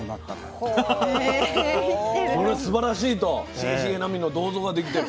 これすばらしいと茂重波の銅像ができてる。